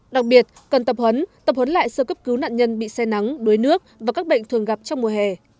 đặc biệt cần tập huấn tập huấn lại sơ cấp cứu nạn nhân bị xe nắng đuối nước và các bệnh thường gặp trong mùa hè